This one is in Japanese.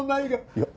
いや。